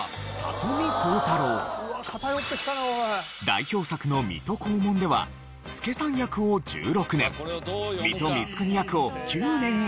代表作の『水戸黄門』では助さん役を１６年水戸光圀役を９年演じた。